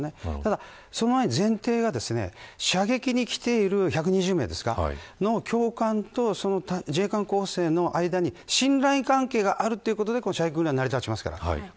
ただその前提が、射撃に来ている１２０名の教官と自衛官候補生の間に信頼関係があるということで射撃訓練は成り立ちますから。